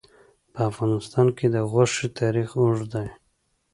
په افغانستان کې د غوښې تاریخ اوږد دی.